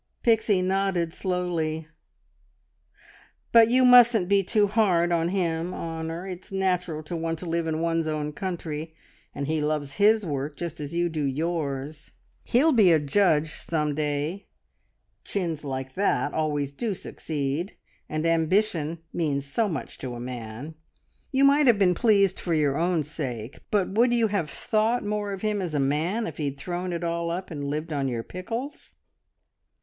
Pixie nodded slowly. "But you mustn't be too hard on him, Honor It's natural to want to live in one's own country, and he loves his work just as you do yours. He'll be a judge some day chins like that always do succeed and ambition means so much to a man. You might have been pleased for your own sake; but would you have thought more of him as a man if he'd thrown it all up and lived on your pickles?"